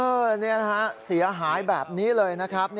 เออนี่นะครับเสียหายแบบนี้เลยนะครับ